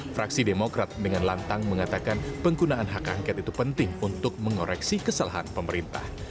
fraksi demokrat dengan lantang mengatakan penggunaan hak angket itu penting untuk mengoreksi kesalahan pemerintah